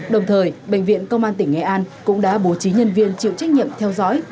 đồng thời bệnh viện công an tỉnh nghệ an cũng đã bố trí nhân viên chịu trách nhiệm theo dõi